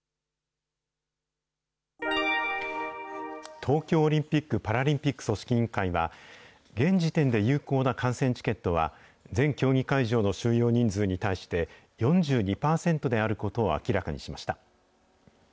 東京オリンピック・パラリンピック組織委員会は、現時点で有効な観戦チケットは、全競技会場の収容人数に対して、４２％であることを明らかにしました。